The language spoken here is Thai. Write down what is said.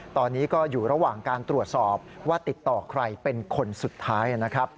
ตอนนี้ก็อยู่ระหว่างการตรวจสอบว่าติดต่อใครเป็นคนสุดท้ายนะครับ